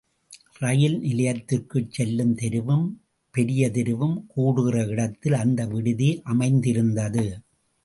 ரயில் நிலையத்திற்குச்செல்லும் தெருவும் பெரிய தெருவும் கூடுகிற இடத்தில் அந்த விடுதி அமைந்திருந்தது.